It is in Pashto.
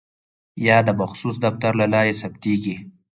یا د مخصوص دفتر له لارې ثبتیږي.